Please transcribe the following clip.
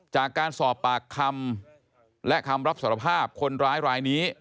จากการสอบปากคำและคำรับสารภาพคนร้ายรายนี้